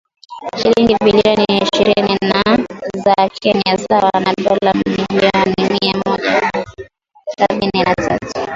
shilingi bilioni ishirini za Kenya sawa na dola milioni mia moja sabini na tatu